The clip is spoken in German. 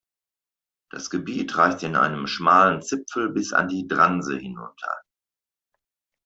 Das Gebiet reicht in einem schmalen Zipfel bis an die Dranse hinunter.